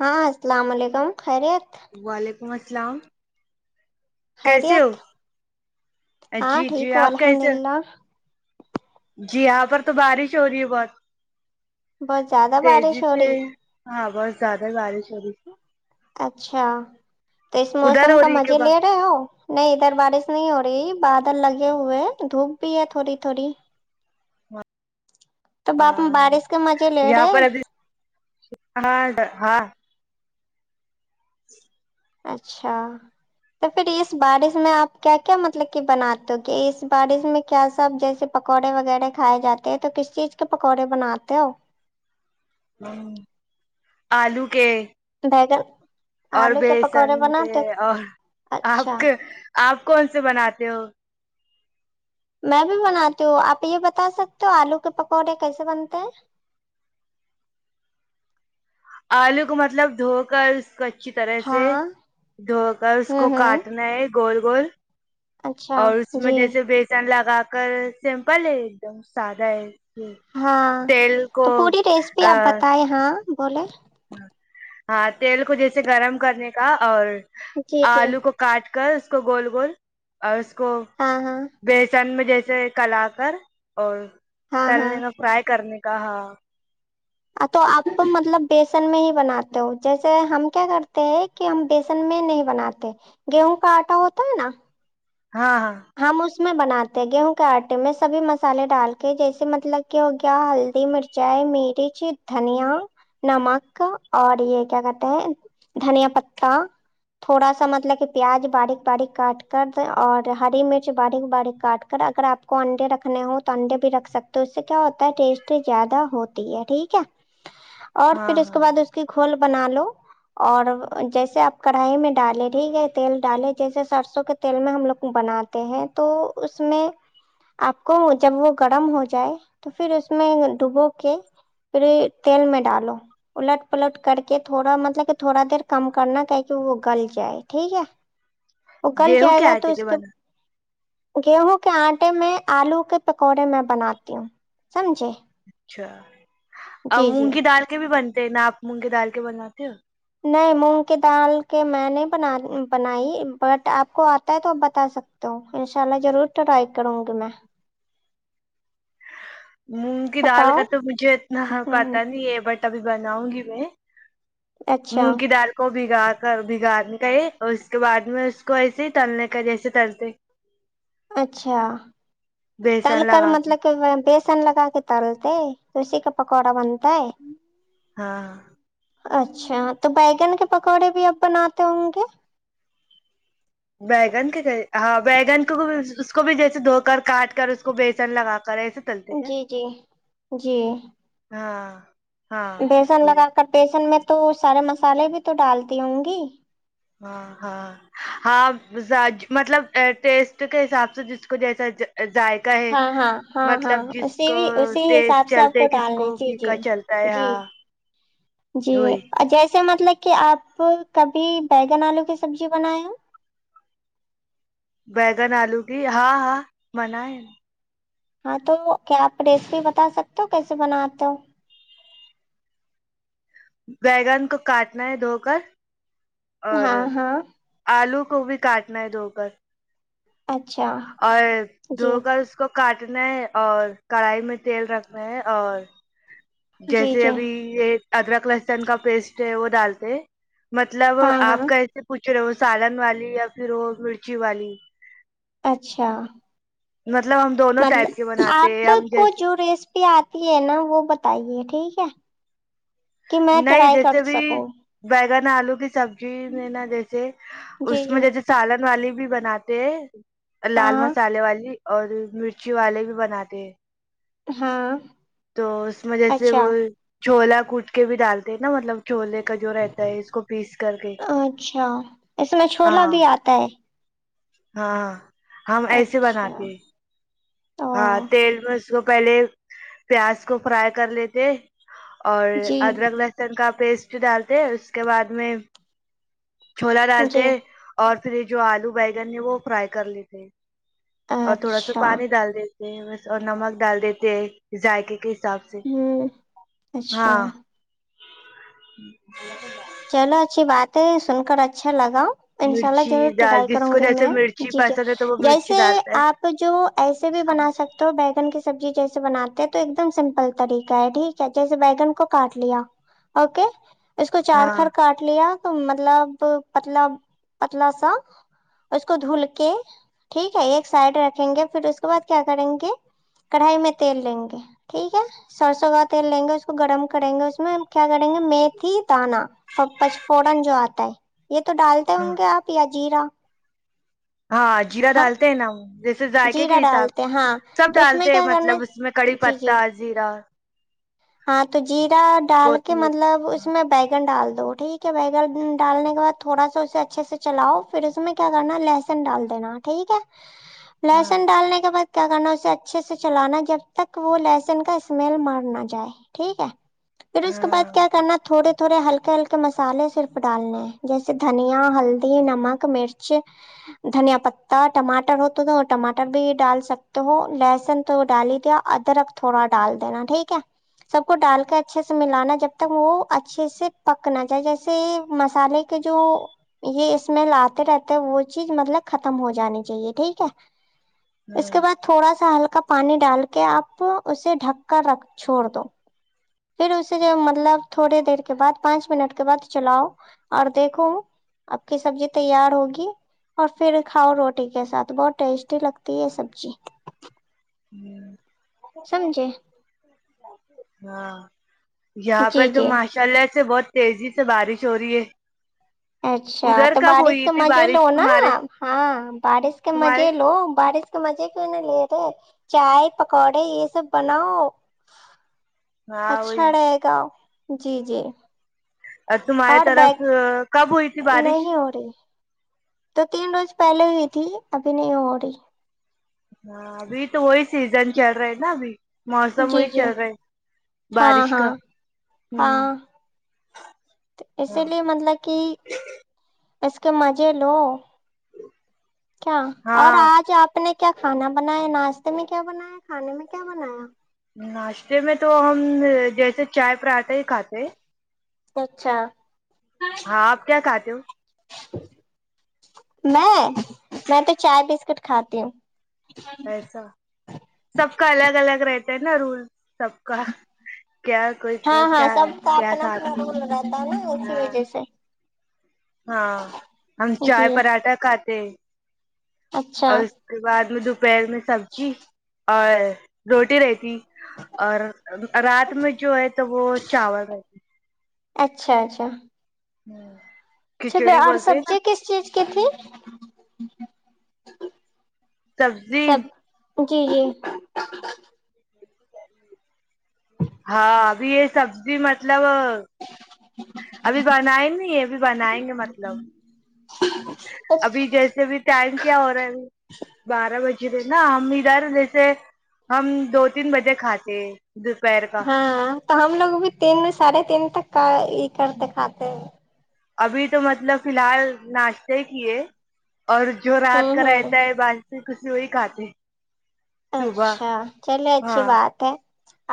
ہاں السلام علیکم خیریت پہنچل خیریت ہاں جی ٹھیک جی ہو آپ الحمد کیسے للہ جی یہاں پر تو بارش ہو رہی ہے بہت بہت زیادہ بارش تیزی ہو سے رہی ہاں بہت زیادہ گارش سر اچھا تو اس موسم ہو کا رہی ہے کہ مزے لے بار رہے ہو نہیں ادھر بارش نہیں ہو رہی بادل لگے ہوئے ہیں دھوپ بھی ہے تھوڑی تھوڑی تو باپ ہاں بارش کے مزے لے یہاں رہے پر ابھی ہاں ہاں جی اچھا تو پھر اس بارش میں آپ کیا کیا مطلب کہ بناتے ہو کہ اس بارش میں کیا سا جیسے پکوڑے وغیرہ کھائے جاتے ہیں تو کس چیز کے پکوڑے بناتے ہو ہ آلو کے ہے گا اور بیسن کے اور آپ اچھا کے آپ کون سے بناتے ہو میں بھی بناتی ہوں آپ یہ بتا سکتے ہو آلو کے پکوڑے کیسے بنتے ہیں آلو کو مطلب دھو کر اس کو اچھی طرح سے ہاں دھو کر اس کو ہوں ہوں کاٹنا ہے گور گور اچھا اور اس میں جی جیسے بیسن لگا سمپل ہے ایک دم سادا ہے ہاں تیل کو تو پوری ریسپی آپ بتائے ہاں بولے ہ ہاں تیل کو جیسے گرم کرنے کا اور جی جی آلو کو کاٹ کر اس کو گول گول اور اس کو ہاں ہاں بیسن میں جیسے کلا کرر اور ہاں ہاں تلنے میں فرائی کرنے کہا تو آپ مطلب بیسن میں ہی بناتے ہو جیسے ہم کیا کرتے ہیں کہ ہم بیسن میں نہیں بناتے گیہوں کا آٹا ہوتا ہے نا ہاں ہاں ہم اس میں بناتے گیہوں کے آٹے میں سبھی مسالے ڈال کے جیسے مطلب کہ ہو گیا ہلدی مرچائی مرچ دھنیا نمک اور یہ کیا کہتے ہیں دھنیا پتا تھوڑا سا مطلب کہ پیاز باریک باریک کاٹ کر اور ہری مرچ باریک باریک کاٹ کر اگر آپ کو انڈے رکھنے ہو تو انڈے بھی رکھ سکتے ہو اس سے کیا ہوتا ہے ٹیسٹ زیادہ ہوتی ہے ٹھیک ہے اور ہاں پھر اس کے ہاں بعد اس کی پھول بنا لو اور جیسے آپ کڑھائی میں ڈالیں ٹھیک ہے تیل ڈالے جیسے سرسوں کے تیل میں ہم لوگ بناتے ہیں تو اس میں آپ کو جب وہ گرم ہو جائے تو پھر اس میں ڈوبو کے پھر تیل میں ڈالو الٹ پلٹ کر کے تھوڑا مطلب کہ تھوڑا دیر کم کرنا کہ کہ وہ گل جائے ٹھیک ہے وہکل جائے گا تو اس کے ن گیہوں کے آٹے میں آلو کے پکوڑے میں بناتی ہوں سمجھے اچھا اور جی جی مونگی دال کے بھی بنتی نااک مونگ کے ڈال کے بناتے ہو نہیں مونگ کی دال کے میں نے ب بنائی بٹ آپ کو آتا ہے تو آپ بتا سکتے ہو انشاء اللہ ضرور ٹرائی کروں گی میں مونگ کی دال بتاؤ کا تو مجھے اتنا ہ پتا نہیں ہے بٹ تبھی بناؤں گی میں اچھا مونگ کی دال کوب گات بگاڑنے کا اور اس کے بعد میں اس کو ایسے ہی تلنے کا جیسے تلتے اچھا تل بیسن کر لگا کے مطلب کہ بیس سن لگ ہاکترتے کسی کے پکوڑا بنت ہاں اچھا تو بیگن کے پکوڑے بھی اب بناتے ہوں گے بگن کے ہاں بیگن کو اس کو بھی جیسے دھو کر کاٹ کر اس کو بیسن لگا کر ایسے تلتے کیا جی جی جی ہ بیسن لگا کر بیسن میں تو سارے مسالے بھی تو ڈالتی ہوں گی ہاں ہاں ہاں مطلب ٹیسٹ کے حساب سے جس کو جیسا ذائقہ ہے ہاں ہاں ہاں ہاں مطلب جس اسی کو بھی اسی تیز حساب سے آپ چلتے کو کس ڈالنا ہے جی جی پھیکا چلتا ہے جی ہاں جی وہی جیسے مطلب کہ آپ کبھی بیگن آلو کی سبزی بنائے ہو بیگن آلو کی ہاں ہاں من ہے ہاں تو کیا آپ ریسیپی بتا سکتے ہو کیسے بناتے ہو بیگن کو کاٹنا ہے دھو کر اور ہاں ہاں آلو کو بھی کاٹنا ہے دوگر اچھا اور دھو جی کر اس کو کاٹنا ہے اور کڑھائی میں تیل رکھنا ہے اور جی جیسے جی ابھی یہ ادرک لہسن کا پیسٹ ہے وہ ڈالتے مطلب ہاں آپ ہاں کیسے پچھ پھر وہ سالن والی یا پھر وہ مرچی والی اچھا نہیں مطلب آپ کو جیسے جو ریسیپی آتی ہے نا وہ بتائیے ٹھیک ٹھیک ہے کہ میں نہیں ٹرائی جیسے کر بھی سکوں بیگن آلو کی سبزی نہا جیسے جی اس میں جی جیسے سالن والی بھی بھی بناتے ہیں لال ہاں مسالے والی اور مرچی والے بھی بناتے ہیں ہاں تو اس میں جیسے اچھا وہ چھولا گٹ کے بھی ڈالتے ہیں نا مطلب چھوولے کا جو رہتا ہے اس کو پیس کر کے اچھا اس میں چھولا ہاں بھی آتا ہے ہاں ہم ایسے اچھا بناتے ہیں ہاں او تل م اس کو پہلے پیاز کو فرائی کر لیتے اور جی ادرک لہسن کا پیسٹ ڈالتے ہیں اس کے بعد میں چھولا ڈالتے جی اور پھر یہ جو آلو بیگن ہے وہ فرائی کر لیتےے اور تھوڑا سا اچھا پانی ڈال د بس اور نمک ڈال دیتے جائ کے حساب سے ہوں اچھا ہاں ہ چلو اچھی بات ہے سن کر اچھا لگ ان شاء اللہ مرچی ضرور ڈال ٹرائی جس کروں کو گی جیسے میں مرچی جی ج پسند ہے تو وہ جیسے مرچی ڈالتا ہے آپ جو ایسے بھی بنا سکتے ہو بگن کی سبزی جیسے بناتے ہیں تو ایک دم سمپل طریقہ ہے ٹھیک ہے جیسے بیگن کو کاٹ لیا اوکے چار ہاں خھر کاٹ لیا مطلب پتلا پتلا سا اس کو دھل کے ٹھیک ہے ایک سائڈ رکھیں گے پھر اس کے بعد کیا کریں گے کڑھائی میں تیل لیں گے ٹھیک ہے سرسوں کا تیل لیں گے اس کو گرم کریں گے اس میں کیا کریں گے متھی ا پچ فورن جو آتا ہے یہ تو ڈالتے ہاں ہوں گے آپ یا جیرا ہاں جیرہ ہاں ڈالتے ہیں نا وہ جیسے ذائقے کے جیرا حساب ڈالتے ہیں, ہاں سب تو اس میں ڈالتے ہیں کیا کرنا مطلب اس میں کڑی ہے جی جی پتا زیرا ہاں تو جی ڈال کے کوتمیر مطلب اس میں بگن ڈال تو ٹھیک ہے بگن ڈالنے کے بعد تھوڑا سا اسے اچھے سے چلاؤ پھر اس میں کیا کرنا لہسن ڈال دینا ٹھیک ہے ہاں لہسن ڈالنے کے بعد کیا کرنا اسے اچھے سے چلانا جب تک وہ لہسن کا اسمیل مار نہ جائے ٹھیک ہے پھر اس کے بعد ہاں کیا کرنا تھوڑے تھوڑے ہلکے ہلکے مسالے صرف ڈالنے ہیں جیسے دھنیا ہلدی نمک مرچ دھنیا پتا ٹماٹر ہو تو تو ٹماٹر بھی ڈال سکتے ہو لہسن تو ڈال ہی دیا ادرک تھوڑا ڈال دینا ٹھیک ہے سب کو ڈال کے اچھے سے ملانا جب تک وہ اچھے سے پکنا چاہیے جیسے مسالے کے جو یہ اسمیل آتے رہتے ہیں وہ چیز مطلب ختم ہو جانی چاہیے ٹھیک ہے اس کے ہاں بعد تھوڑا سا ہلکا کا پانی ڈال کے آپ اسے ڈھک کر رکھ چھوڑ تو پھر اسے جو مطلب تھوڑی دیر کے بعد پانچ منٹ کے بعد چلاؤ اور دیکھو آب کی سبزی تیار ہوگی اور پھر کھاؤ روٹی کے ساتھ بہت ٹیسٹی لگتی ہے سبزی ہوں سمجھے ہاں یہاں پر جی تو جی ماشاء اللہ سے بہت تیزی سے بارش ہو رہی ہے اچھا ادھر تو کب بارش ہوئی کے تھی مزے لو بارش نا تمہارے ہاں بارش کے مزے تمہارے لو بارش تو مزے کیوں نہ لے رہے چائے پکوڑے یہ سب بناؤ ہاں اچھا وہی رہے گا جی جی ا تمہاراری اور طرف بیگ کب ہوئی تھی بارش نہیں ہو رہی تو تین روز پہلے ہوئی تھی ابھی نہیں ہو رہی ہاں ابھی تو وہی سیزن چل رہا نا ابھی موسم جی وہی جی چل رہا ہاں بارش کا ہاں ہوں تو اسی ہاں لیے مطلب کہ اس کے مزے لو کیا اور ہاں آج آپ نے کیا کھانا بنایا ناشتے میں کیا بنایا کھانے میں کیا بنایا ناشتے میں تو ہم جیسے چائے پراٹھا ہی کھاتے ہیں اچھا ہاں آپ کیا کھاتے ہو میں میں تو چائے بسکٹ کھاتی ہوں ایسا سب کا الگ الگ رہتا ج نا رولول سب کا کیا کوئی ہاں ہاں کیا سب کا اپنا اپنا کیاساتتی رول رہتا ہے نا اسی وجہ سے ہاں ہم چائے جی پراٹھا کھاتے ہیں اچھا اور اس کے بعد میں د پیر میں سبزی اور روٹی رہتی اور رات میں جو ہے تو وہ چاول رہتے اچھا اچھا ہوں چلے اور سبزی کس چیز کتنے سبزی جی جی ہاں ابھی یہ سبزی مطلب مطلب ابھی بنائیں گے ابھی بنائیں گے مطلب ہ ابھی جیسے بھی ٹائم کیا ہو رہا ہے بارہ بجے ج نا ہم ادھر جیسے ہم دو تین بجے کھاتے ج پر کاا ہاں تو ہم لوگ بھی تین ساڑھے تین تک کا یہ کرتے کھات ابھی تو مطلب فی الحال ناشتے کیے اور جو رات ہوں کا ہوں رہتا ہے بق سے کسی وہی کھاتے صبح اچھا چلے اچھی ہاں بات ہے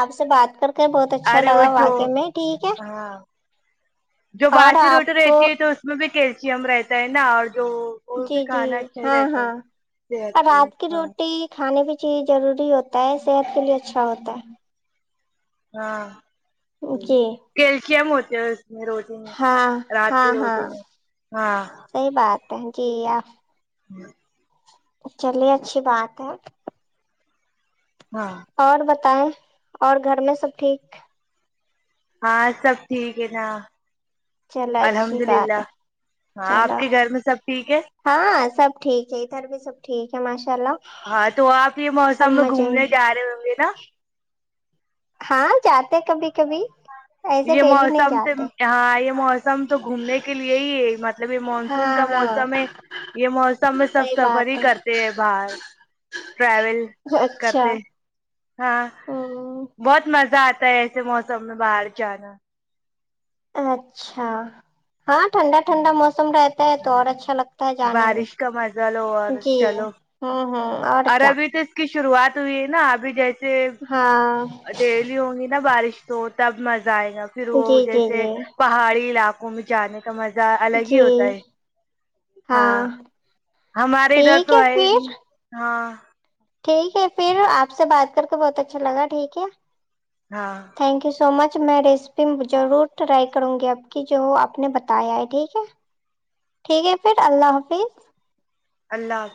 آپ سے بات کر کے بہت اچھا ارے وہ لگا جو واقع میں ٹھیک ہے ہاں جو اور باسی روٹی آپ رہتی ہے تو اس میں بھی کیس م رہتا ہے نا اور جو وہ جی بھی جی کھانا اچھا ہی ہاں رہتا ہے ہاں صحت اور کے رات کی لیے ہاں روٹی کھانے پ چیز ضروری ہوتا ہے صحت کے لیے اچھا ہوتا ہے ہاں جی کیلشم ہوتا پز روزے میں ہاں رات ہاں کے روزے میں ہاں جییا ہاں چلیے اچھی بات ہے ہاں اور بت ہوتا ہے اور گھر میں سب ٹھیک ہاں سب ٹھیک ہے نا چلو اچھی الحمد بات للہ ہے ہاں آپ چلو کے گھر میں سب ٹھیک ہے ہاں سب ٹھیک ہے ادھر بھی سب ٹھیک ہے ماشاء اللہ ہاں تو آپ یہ موسم میں سمجھ گھومنے جا رہے ہوں گے نا ہاں جاتے کبھی کبھی ایسے یہ ڈیلی نہیں موسم تو جاتے ہاں یہ موسم تو گھومنے کے لیے ہی ہے مطلب یہ مانسون کا ہاں ہاں موسم ہے یہ موسم میں سب صحیح سفر ہی بات کرتے ہیں باہر ٹرل ہے اچھا کرتے ہاں ہوں بہت مز مزہ آتا ہے ایسے موسم میں باہر جانا اچھا ہاں ٹھنڈا ٹھنڈا موسم رہتا ہے تو اور ہاں اچھا لگتا ہے جانے میں بارش کا مزہ لو اور جی چلو ہوں ہوں اور کیا ابھی تو اس کی شروعات ہوئی ہے نا ابھی جیس ہاں دہلی ہگینا بارش تو تب مز جائے گا پھر وہ جی جی جیسے جی پہاڑی علاقے گ میں جانے کا مزہ الگ ہی جی ہوتا ہے ہاں ہمارے ادھر ٹھیک تو ہے ہی پھر ہاں ٹھیک ہے پھر آپ سے بات کر کے بہت اچھا لگا ٹھیک ہے ہاں تھینک یو سو مچ آج میں ریسیپی ضرور ٹرائی کروں گی آب کی جو آپ نے بتایا ہے ٹھیک ہے ٹھیک ہے پھر اللہ حافظ اللہہ